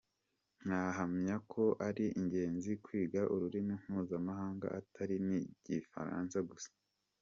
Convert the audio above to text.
Nkahamya ko ari ingenzi kwiga ururimi mpuzamahanga, atari n’Igifaransa gusa.